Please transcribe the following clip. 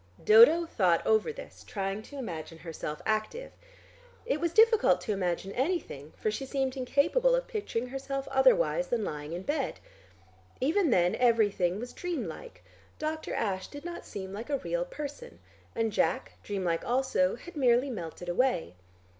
Dodo thought over this, trying to imagine herself active. It was difficult to imagine anything, for she seemed incapable of picturing herself otherwise than lying in bed. Even then everything was dream like; Dr. Ashe did not seem like a real person, and Jack, dream like also, had merely melted away.